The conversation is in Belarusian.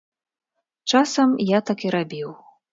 Часам я так і рабіў.